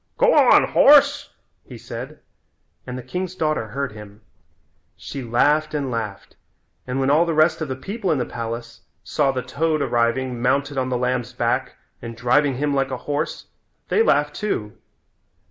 "Go on, horse," he said and the king's daughter heard him. She laughed and laughed, and when all the rest of the people in the palace saw the toad arriving mounted on the lamb's back and driving him like a horse they laughed too.